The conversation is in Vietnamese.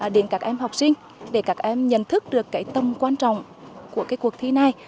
đến các em học sinh để các em nhận thức được cái tâm quan trọng của cuộc thi này